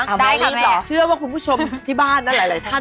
เอาเชื่อว่าคุณผู้ชมที่บ้านนั้นหลายท่าน